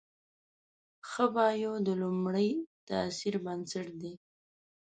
ښه بایو د لومړي تاثر بنسټ دی.